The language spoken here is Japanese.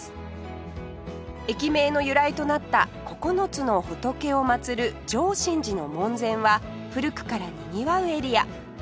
駅名の由来となった九つの仏を祭る淨眞寺の門前は古くからにぎわうエリア